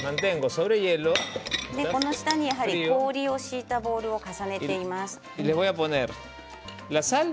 この下に氷を敷いたボウル重ねています。